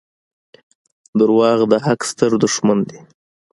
• دروغ د حق ستر دښمن دي.